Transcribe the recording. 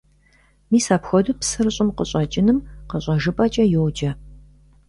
Мис апхуэдэу псыр щӀым къыщӀэкӀыным къыщӀэжыпӀэкӀэ йоджэ.